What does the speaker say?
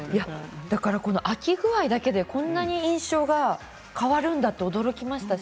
開き具合だけでこんなに印象が変わるんだって驚きました。